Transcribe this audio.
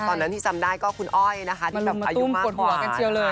ตอนนั้นที่ที่ทรำได้ก็คุณอ้อยนะคะที่ไปอายุมากกว้าง